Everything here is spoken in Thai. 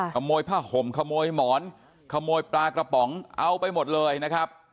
ขโมยผ้าห่มขโมยหมอนขโมยปลากระป๋องเอาไปหมดเลยนะครับ